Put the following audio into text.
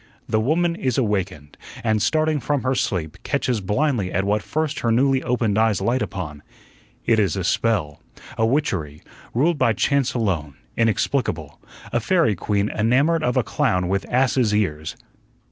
The Woman is awakened, and, starting from her sleep, catches blindly at what first her newly opened eyes light upon. It is a spell, a witchery, ruled by chance alone, inexplicable a fairy queen enamored of a clown with ass's ears.